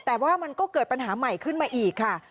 แต่ว่ามันก็เกิดปัญหาใหม่ขึ้นมาอีกค่ะ